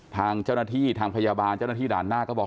ทางเจ้าหน้าที่ทางพยาบาลเจ้าหน้าที่ด่านหน้าก็บอก